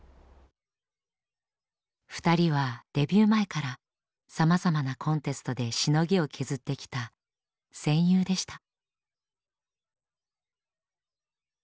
２人はデビュー前からさまざまなコンテストでしのぎを削ってきた戦友でした。